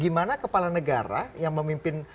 gimana kepala negara yang memimpin